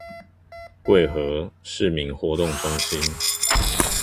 貴和市民活動中心